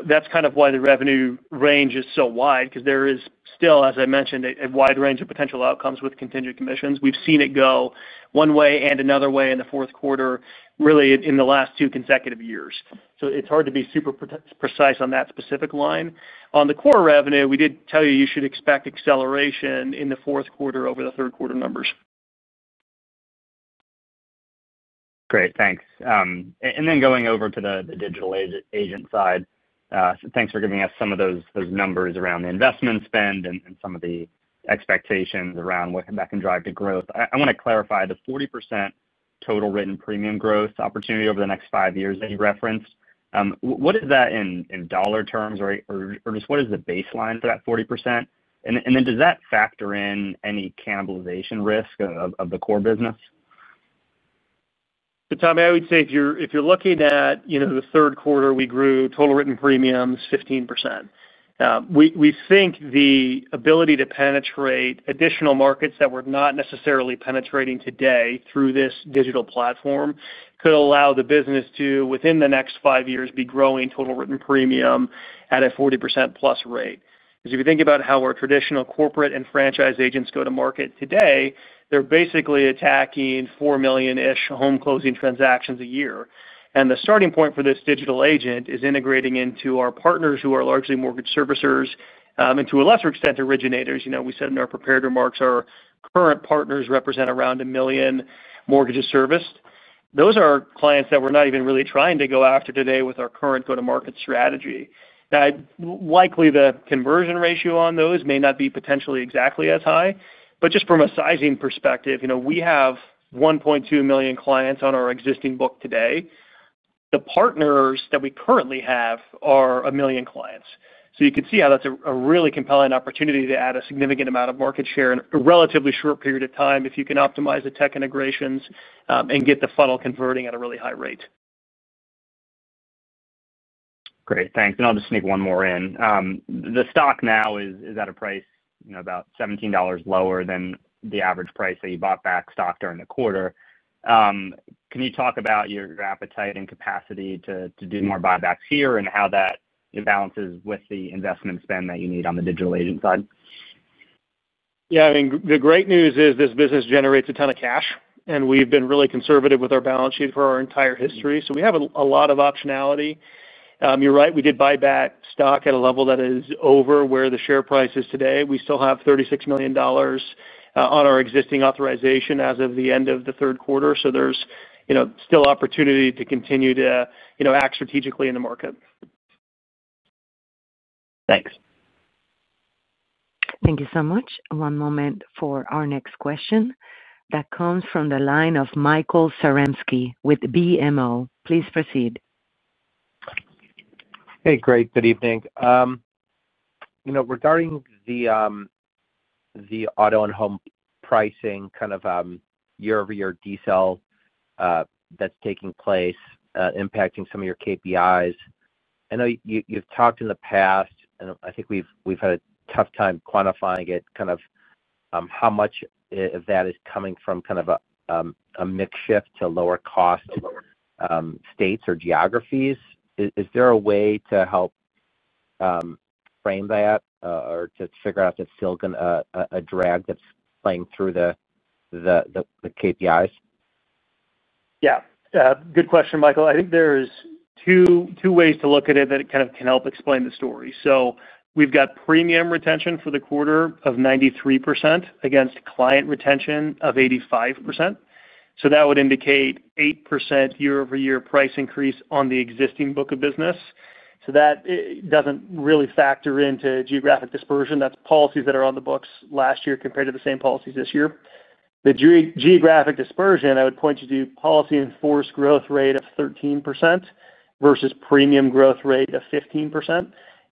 Speaker 4: that's kind of why the revenue range is so wide because there is still, as I mentioned, a wide range of potential outcomes with contingent commissions. We've seen it go one way and another way in the fourth quarter, really in the last two consecutive years. It's hard to be super precise on that specific line. On the core revenue, we did tell you you should expect acceleration in the fourth quarter over the third quarter numbers.
Speaker 8: Great. Thanks. Going over to the Digital Agent side, thanks for giving us some of those numbers around the investment spend and some of the expectations around what that can drive to growth. I want to clarify the 40% Total Written Premium growth opportunity over the next five years that you referenced. What is that in dollar terms, or just what is the baseline for that 40%? Does that factor in any cannibalization risk of the core business?
Speaker 4: Tommy, I would say if you're looking at, you know, the third quarter, we grew Total Written Premiums 15%. We think the ability to penetrate additional markets that we're not necessarily penetrating today through this digital platform could allow the business to, within the next five years, be growing Total Written Premium at a 40%+ rate. If you think about how our traditional corporate and franchise agents go to market today, they're basically attacking 4 million-ish home closing transactions a year. The starting point for this Digital Agent is integrating into our partners who are largely mortgage servicers, and to a lesser extent, originators. We said in our prepared remarks, our current partners represent around a million mortgages serviced. Those are clients that we're not even really trying to go after today with our current go-to-market strategy. Likely the conversion ratio on those may not be potentially exactly as high, but just from a sizing perspective, we have 1.2 million clients on our existing book today. The partners that we currently have are a million clients. You can see how that's a really compelling opportunity to add a significant amount of market share in a relatively short period of time if you can optimize the tech integrations and get the funnel converting at a really high rate.
Speaker 8: Great. Thanks. I'll just sneak one more in. The stock now is at a price about $17 lower than the average price that you bought back stock during the quarter. Can you talk about your appetite and capacity to do more buybacks here and how that balances with the investment spend that you need on the Digital Agent side?
Speaker 4: Yeah, I mean, the great news is this business generates a ton of cash, and we've been really conservative with our balance sheet for our entire history. We have a lot of optionality. You're right. We did buy back stock at a level that is over where the share price is today. We still have $36 million on our existing authorization as of the end of the third quarter. There's still opportunity to continue to act strategically in the market.
Speaker 8: Thanks.
Speaker 1: Thank you so much. One moment for our next question. That comes from the line of Michael Zaremski with BMO. Please proceed.
Speaker 9: Hey, great. Good evening. Regarding the auto and home pricing, kind of year-over-year decel that's taking place, impacting some of your KPIs. I know you've talked in the past, and I think we've had a tough time quantifying it, kind of how much of that is coming from kind of a makeshift to lower cost states or geographies. Is there a way to help frame that or to figure out if it's still going to be a drag that's playing through the KPIs?
Speaker 4: Yeah. Good question, Michael. I think there's two ways to look at it that kind of can help explain the story. We've got premium retention for the quarter of 93% against client retention of 85%. That would indicate 8% year-over-year price increase on the existing book of business. That doesn't really factor into geographic dispersion. That's policies that are on the books last year compared to the same policies this year. The geographic dispersion, I would point Policies in Force growth rate of 13% versus premium growth rate of 15%.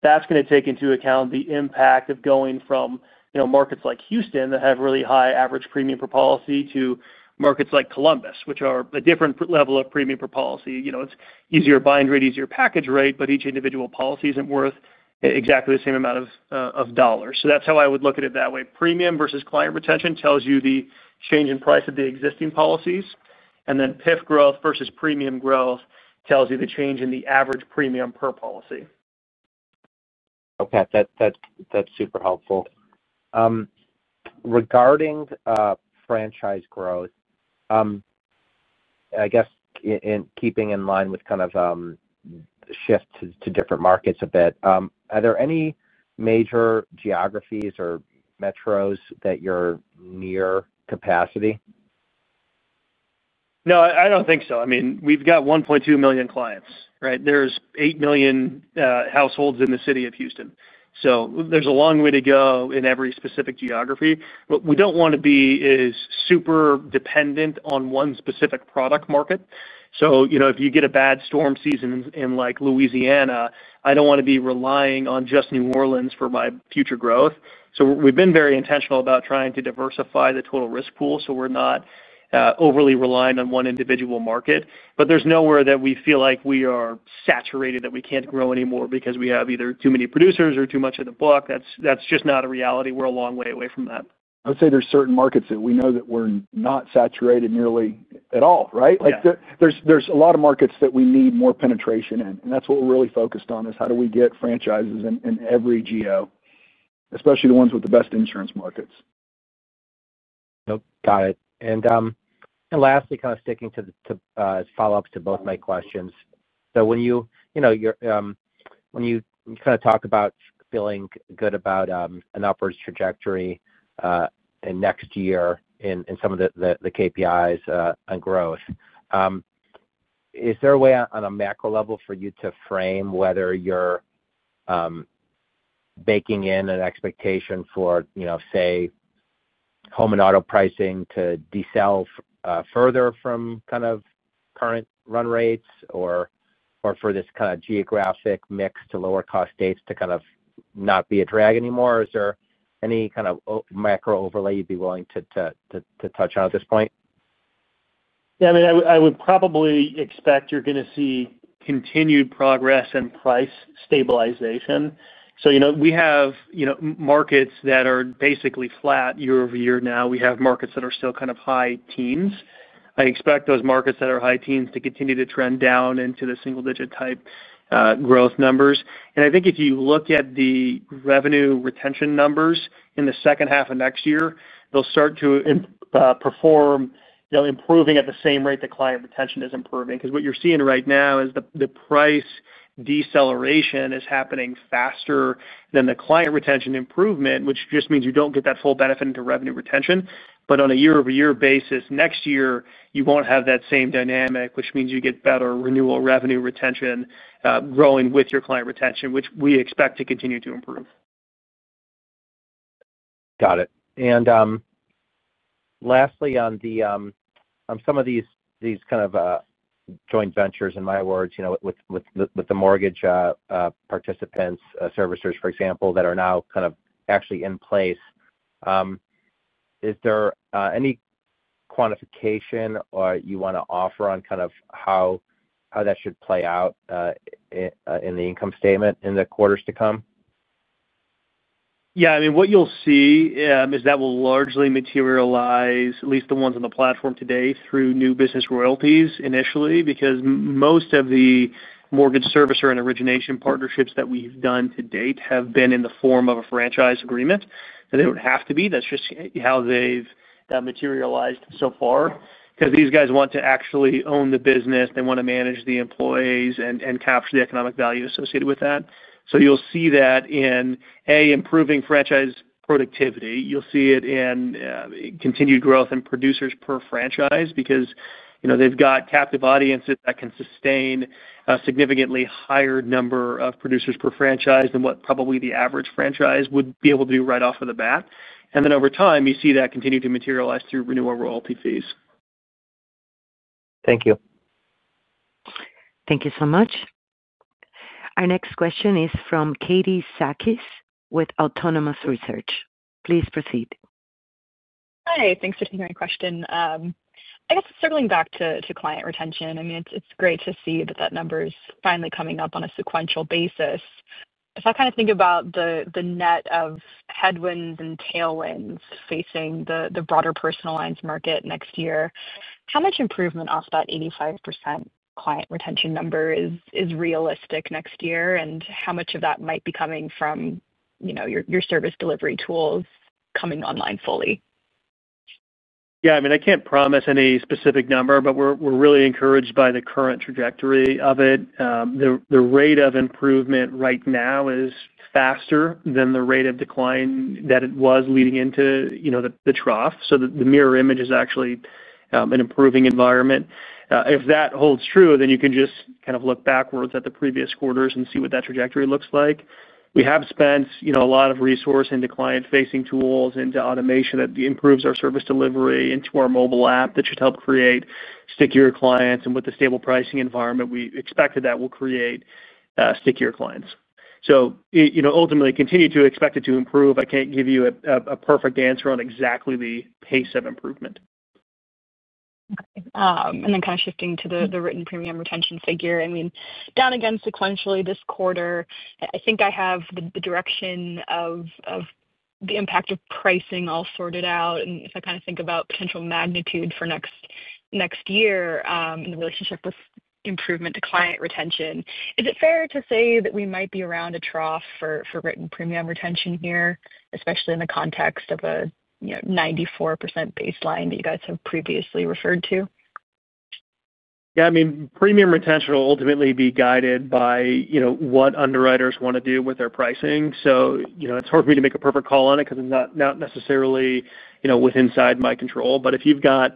Speaker 4: That's going to take into account the impact of going from markets like Houston that have really high average premium per policy to markets like Columbus, which are a different level of premium per policy. It's easier bind rate, easier package rate, but each individual policy isn't worth exactly the same amount of dollars. That's how I would look at it that way. Premium versus client retention tells you the change in price of the existing policies. Then Policies in Force growth versus premium growth tells you the change in the average premium per policy. Okay. That's super helpful. Regarding franchise growth, I guess in keeping in line with kind of the shift to different markets a bit, are there any major geographies or metros that you're near capacity? No, I don't think so. I mean, we've got 1.2 million clients, right? There's 8 million households in the city of Houston. There's a long way to go in every specific geography. What we don't want to be is super dependent on one specific product market. For example, if you get a bad storm season in like Louisiana, I don't want to be relying on just New Orleans for my future growth. We've been very intentional about trying to diversify the total risk pool so we're not overly reliant on one individual market. There's nowhere that we feel like we are saturated, that we can't grow anymore because we have either too many producers or too much of the book. That's just not a reality. We're a long way away from that.
Speaker 3: I would say there's certain markets that we know that we're not saturated nearly at all, right? There are a lot of markets that we need more penetration in. That's what we're really focused on, how do we get franchises in every geo, especially the ones with the best insurance markets.
Speaker 9: Got it. Lastly, kind of sticking to follow-ups to both my questions. When you talk about feeling good about an upward trajectory in next year and some of the KPIs and growth, is there a way on a macro level for you to frame whether you're baking in an expectation for, you know, say, home and auto pricing to decel further from kind of current run rates or for this kind of geographic mix to lower cost states to not be a drag anymore? Is there any kind of macro overlay you'd be willing to touch on at this point?
Speaker 4: Yeah, I mean, I would probably expect you're going to see continued progress and price stabilization. We have markets that are basically flat year-over-year now. We have markets that are still kind of high teens. I expect those markets that are high teens to continue to trend down into the single-digit type growth numbers. I think if you look at the revenue retention numbers in the second half of next year, they'll start to perform, improving at the same rate that client retention is improving. What you're seeing right now is the price deceleration is happening faster than the client retention improvement, which just means you don't get that full benefit into revenue retention. On a year-over-year basis, next year, you won't have that same dynamic, which means you get better renewal revenue retention growing with your client retention, which we expect to continue to improve.
Speaker 9: Got it. Lastly, on some of these kind of joint ventures, in my words, you know, with the mortgage participants, servicers, for example, that are now kind of actually in place, is there any quantification or you want to offer on kind of how that should play out in the income statement in the quarters to come?
Speaker 4: Yeah, I mean, what you'll see is that will largely materialize, at least the ones on the platform today, through new business royalties initially, because most of the mortgage servicer and origination partnerships that we've done to date have been in the form of a franchise agreement. They don't have to be, that's just how they've materialized so far. These guys want to actually own the business. They want to manage the employees and capture the economic value associated with that. You'll see that in, A, improving franchise productivity. You'll see it in continued growth in producers per franchise because, you know, they've got captive audiences that can sustain a significantly higher number of producers per franchise than what probably the average franchise would be able to do right off of the bat. Over time, you see that continue to materialize through renewal royalty fees.
Speaker 9: Thank you.
Speaker 1: Thank you so much. Our next question is from Katie Sakys with Autonomous Research. Please proceed.
Speaker 10: Hi, thanks for taking my question. I guess circling back to client retention, it's great to see that number is finally coming up on a sequential basis. If I kind of think about the net of headwinds and tailwinds facing the broader personal lines insurance market next year, how much improvement off that 85% client retention number is realistic next year, and how much of that might be coming from your service delivery tools coming online fully?
Speaker 4: Yeah, I mean, I can't promise any specific number, but we're really encouraged by the current trajectory of it. The rate of improvement right now is faster than the rate of decline that it was leading into the trough. The mirror image is actually an improving environment. If that holds true, you can just kind of look backwards at the previous quarters and see what that trajectory looks like. We have spent a lot of resource into client-facing tools, into automation that improves our service delivery, into our mobile app that should help create stickier clients, and with the stable pricing environment, we expected that we'll create stickier clients. Ultimately, continue to expect it to improve. I can't give you a perfect answer on exactly the pace of improvement.
Speaker 10: Okay. Kind of shifting to the written premium retention figure, down again sequentially this quarter, I think I have the direction of the impact of pricing all sorted out. If I think about potential magnitude for next year in the relationship with improvement to client retention, is it fair to say that we might be around a trough for written premium retention here, especially in the context of a 94% baseline that you guys have previously referred to?
Speaker 4: Premium retention will ultimately be guided by what underwriters want to do with their pricing. It's hard for me to make a perfect call on it because it's not necessarily within my control. If you've got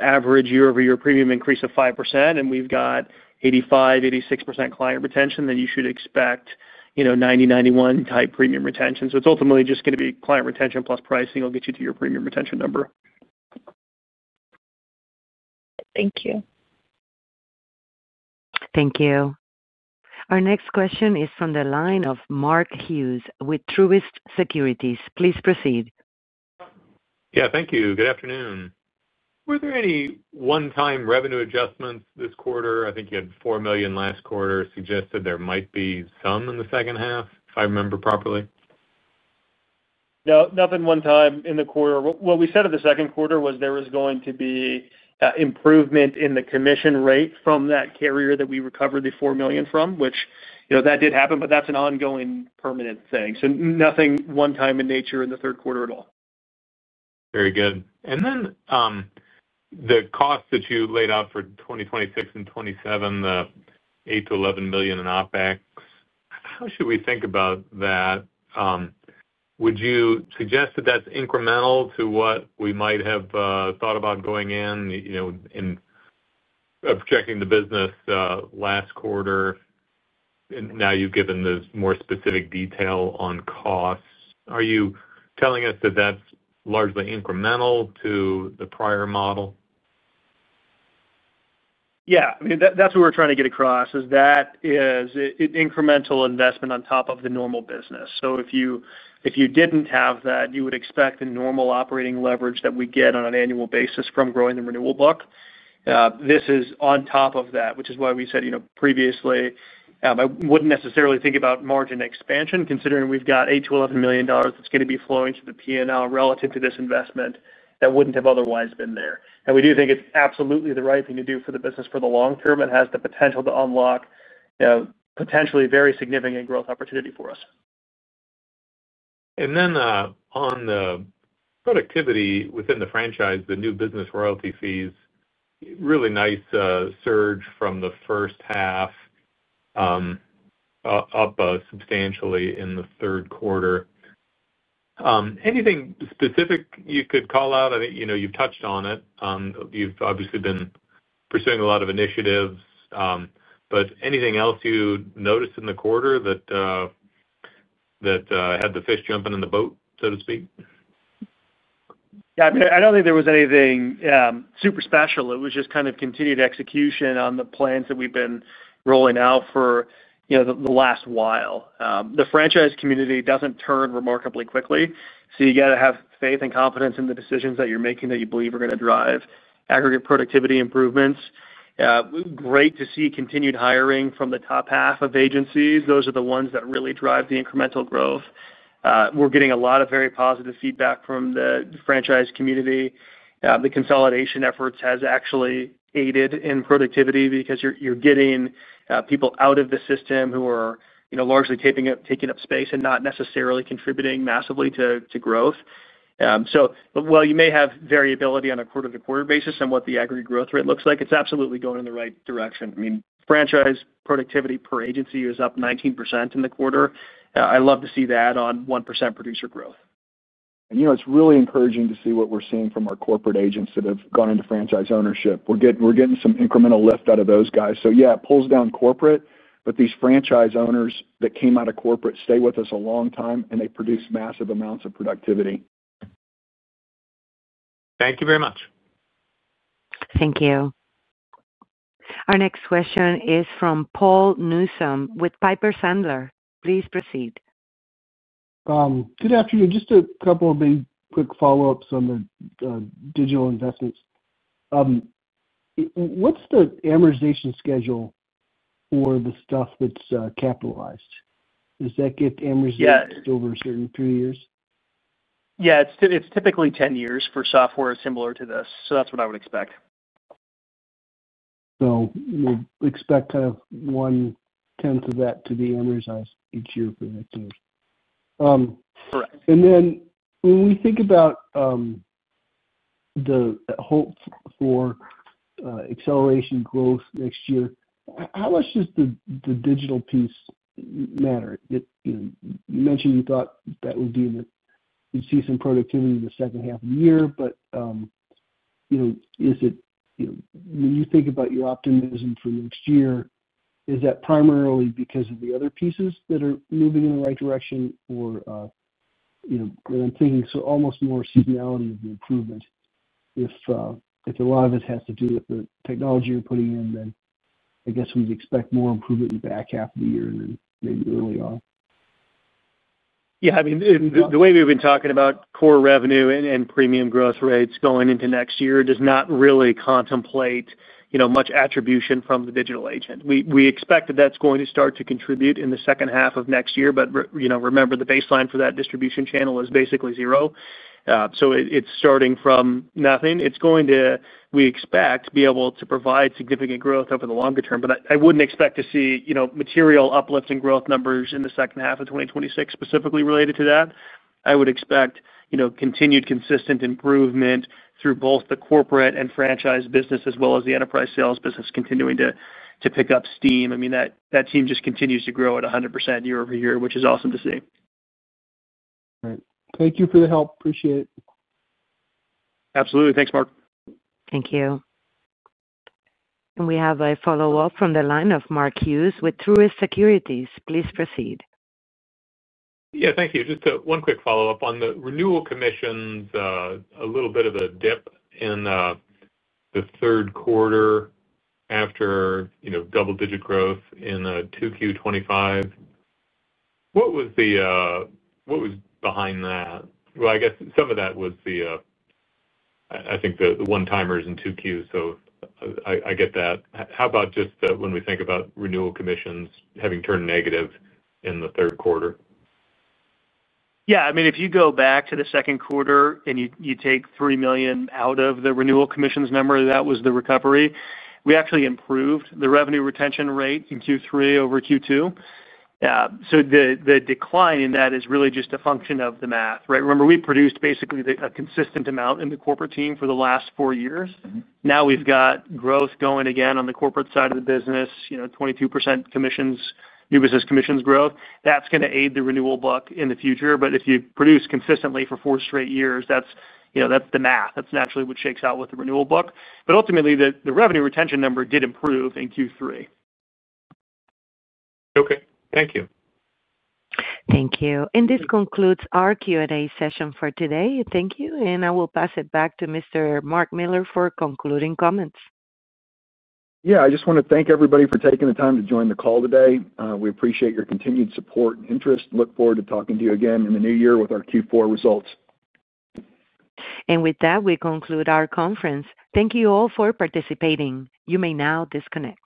Speaker 4: average year-over-year premium increase of 5% and we've got 85%, 86% client retention, then you should expect 90%-91% type premium retention. It's ultimately just going to be client retention plus pricing will get you to your premium retention number.
Speaker 10: Thank you.
Speaker 1: Thank you. Our next question is from the line of Mark Hughes with Truist Securities. Please proceed.
Speaker 11: Yeah, thank you. Good afternoon. Were there any one-time revenue adjustments this quarter? I think you had $4 million last quarter, suggested there might be some in the second half, if I remember properly.
Speaker 4: No, nothing one time in the quarter. What we said at the second quarter was there was going to be an improvement in the commission rate from that carrier that we recovered the $4 million from, which, you know, that did happen, but that's an ongoing permanent thing. Nothing one-time in nature in the third quarter at all.
Speaker 11: Very good. The cost that you laid out for 2026 and 2027, the $8 million-$11 million in OpEx, how should we think about that? Would you suggest that that's incremental to what we might have thought about going in, in projecting the business last quarter? Now you've given this more specific detail on costs. Are you telling us that that's largely incremental to the prior model?
Speaker 4: Yeah, I mean, that's what we're trying to get across is that is an incremental investment on top of the normal business. If you didn't have that, you would expect the normal operating leverage that we get on an annual basis from growing the renewal book. This is on top of that, which is why we said previously, I wouldn't necessarily think about margin expansion considering we've got $8 million-$11 million that's going to be flowing to the P&L relative to this investment that wouldn't have otherwise been there. We do think it's absolutely the right thing to do for the business for the long term and has the potential to unlock, you know, potentially very significant growth opportunity for us.
Speaker 11: On the productivity within the franchise, the new business royalty fees had a really nice surge from the first half, up substantially in the third quarter. Anything specific you could call out? I think you've touched on it. You've obviously been pursuing a lot of initiatives, but anything else you noticed in the quarter that had the fish jumping in the boat, so to speak?
Speaker 4: Yeah, I mean, I don't think there was anything super special. It was just kind of continued execution on the plans that we've been rolling out for, you know, the last while. The franchise community doesn't turn remarkably quickly. You have to have faith and confidence in the decisions that you're making that you believe are going to drive aggregate productivity improvements. Great to see continued hiring from the top half of agencies. Those are the ones that really drive the incremental growth. We're getting a lot of very positive feedback from the franchise community. The consolidation efforts have actually aided in productivity because you're getting people out of the system who are, you know, largely taking up space and not necessarily contributing massively to growth. You may have variability on a quarter-to-quarter basis on what the aggregate growth rate looks like. It's absolutely going in the right direction. I mean, franchise productivity per agency is up 19% in the quarter. I love to see that on 1% producer growth.
Speaker 3: It's really encouraging to see what we're seeing from our corporate agents that have gone into franchise ownership. We're getting some incremental lift out of those guys. It pulls down corporate, but these franchise owners that came out of corporate stay with us a long time, and they produce massive amounts of productivity.
Speaker 11: Thank you very much.
Speaker 1: Thank you. Our next question is from Paul Newsome with Piper Sandler. Please proceed.
Speaker 12: Good afternoon. Just a couple of quick follow-ups on the digital investments. What's the amortization schedule for the stuff that's capitalized? Does that get amortized over a certain period of years?
Speaker 4: Yeah, it's typically 10 years for software similar to this. That's what I would expect.
Speaker 12: We expect kind of one-tenth of that to be amortized each year for the next years.
Speaker 4: Correct.
Speaker 12: When we think about the hope for acceleration growth next year, how much does the digital piece matter? You mentioned you thought that would be in the you'd see some productivity in the second half of the year, but is it, when you think about your optimism for next year, is that primarily because of the other pieces that are moving in the right direction, or, and I'm thinking so almost more seasonality of the improvement. If a lot of it has to do with the technology you're putting in, then I guess we'd expect more improvement in the back half of the year and then maybe early on.
Speaker 4: Yeah, I mean, the way we've been talking about core revenue and premium growth rates going into next year does not really contemplate much attribution from the Digital Agent. We expect that that's going to start to contribute in the second half of next year, but remember the baseline for that distribution channel is basically zero. It's starting from nothing. It's going to, we expect, be able to provide significant growth over the longer term. I wouldn't expect to see material uplift in growth numbers in the second half of 2026 specifically related to that. I would expect continued consistent improvement through both the corporate and franchise business as well as the enterprise sales business continuing to pick up steam. I mean, that team just continues to grow at 100% year-over-year, which is awesome to see.
Speaker 12: Thank you for the help. Appreciate it.
Speaker 4: Absolutely. Thanks, Mark.
Speaker 1: Thank you. We have a follow-up from the line of Mark Hughes with Truist Securities. Please proceed.
Speaker 11: Yeah, thank you. Just one quick follow-up on the renewal commissions, a little bit of a dip in the third quarter after, you know, double-digit growth in 2Q2025. What was behind that? I guess some of that was the, I think, the one-timers in 2Q, so I get that. How about just when we think about renewal commissions having turned negative in the third quarter?
Speaker 4: Yeah, I mean, if you go back to the second quarter and you take $3 million out of the renewal commissions number, that was the recovery. We actually improved the revenue retention rate in Q3 over Q2. The decline in that is really just a function of the math, right? Remember, we produced basically a consistent amount in the corporate team for the last four years. Now we've got growth going again on the corporate side of the business, you know, 22% new business commissions growth. That's going to aid the renewal book in the future. If you produce consistently for four straight years, that's the math. That's naturally what shakes out with the renewal book. Ultimately, the revenue retention number did improve in Q3.
Speaker 11: Okay, thank you.
Speaker 1: Thank you. This concludes our Q&A session for today. Thank you. I will pass it back to Mr. Mark Miller for concluding comments.
Speaker 3: I just want to thank everybody for taking the time to join the call today. We appreciate your continued support and interest. Look forward to talking to you again in the new year with our Q4 results.
Speaker 1: With that, we conclude our conference. Thank you all for participating. You may now disconnect.